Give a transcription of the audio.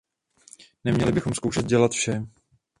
Neměli bychom zkoušet dělat vše.